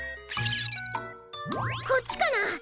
こっちかな？